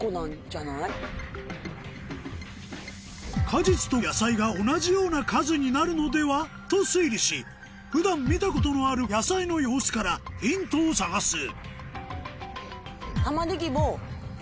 果実と野菜が同じような数になるのでは？と推理し普段見たことのある野菜の様子からヒントを探す